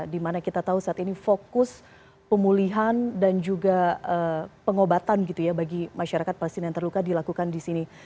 dimana kita tahu saat ini fokus pemulihan dan juga pengobatan gitu ya bagi masyarakat pasien yang terluka dilakukan di sini